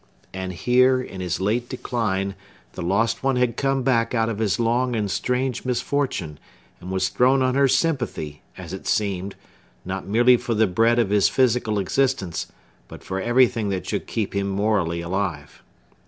And here, in his late decline, the lost one had come back out of his long and strange misfortune, and was thrown on her sympathy, as it seemed, not merely for the bread of his physical existence, but for everything that should keep him morally alive.